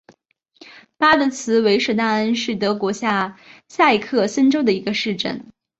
巴德茨维舍纳恩是德国下萨克森州的一个市镇。